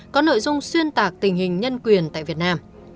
có nội dung xuyên tạc tình hình nhân quyền tại việt nam